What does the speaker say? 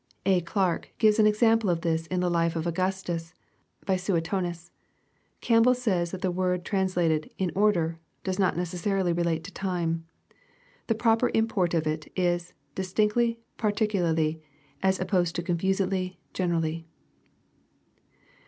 A. Clarke gives an example of this in the life of Augustus, by Suetonius. Campbell says that the word translated * in order, "does not necessarily relate to time. The proper import of it is * distinctly, particularly, as opposed to confusedly, generally.'